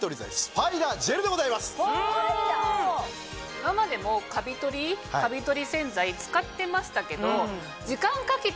今までもカビ取り洗剤使ってましたけど。